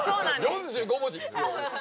４５文字必要です。